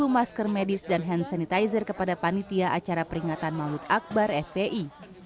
masker medis dan hand sanitizer kepada panitia acara peringatan maulid akbar fpi